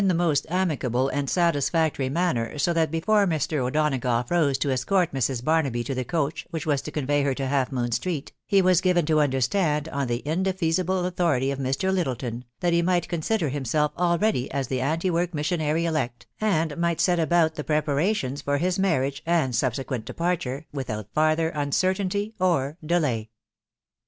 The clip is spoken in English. the most anwahlg amd satisfactory maimer, so> that besone Mr»©fBonagtmgh rose to escort Mrsi Barnaby ta the coach, whack wa» to oeawey be* to Half Mean Street,, far was gsrea to — drrntimd, on the inde feasible auAeaity «f Mir; Littietoa, tbat he might consider him sel£ alreadiy as* die anti work mhaaasiary elect,, and might set about the preparation* for hi* marriage and subsequent depar ture without farther uncertainty er delay.